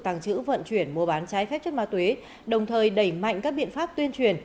tàng trữ vận chuyển mua bán trái phép chất ma túy đồng thời đẩy mạnh các biện pháp tuyên truyền